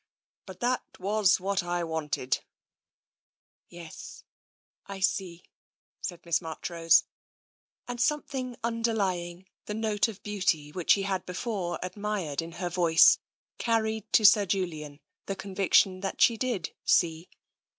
But that was what I wanted." " Yes, I see," said Miss Marchrose. And something underlying the note of beauty which he had before admired in her voice carried to Sir Julian the conviction that she did see.